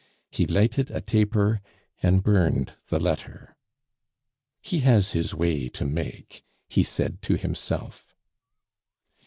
He lighted a taper and burned the letter. "He has his way to make," he said to himself.